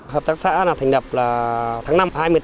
hợp tác xã thành đập là tháng năm hai mươi tám